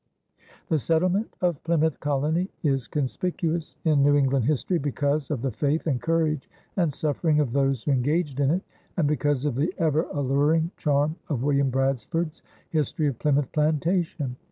The settlement of Plymouth colony is conspicuous in New England history because of the faith and courage and suffering of those who engaged in it and because of the ever alluring charm of William Bradford's History of Plimouth Plantation.